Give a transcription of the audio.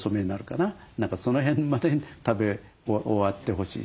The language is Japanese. その辺までに食べ終わってほしいと。